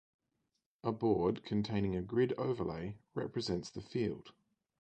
A board containing a grid overlay represents the field.